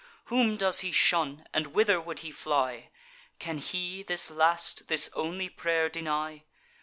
Whom does he shun, and whither would he fly! Can he this last, this only pray'r deny!